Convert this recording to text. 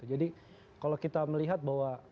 kalau kita melihat bahwa